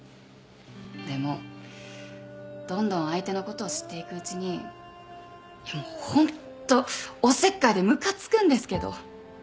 でもどんどん相手のことを知っていくうちにホントおせっかいでムカつくんですけど。